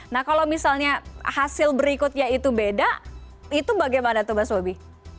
nah kalau misalnya hasil berikutnya itu beda itu bagaimana tuh mas bobi